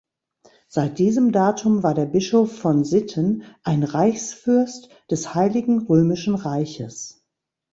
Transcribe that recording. Seit diesem Datum war der Bischof von Sitten ein Reichsfürst des Heiligen Römischen Reiches.